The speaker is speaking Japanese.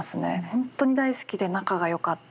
本当に大好きで仲がよかった